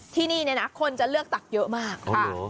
ที่นี่นะคนจะเลือกตักเยอะมากค่ะ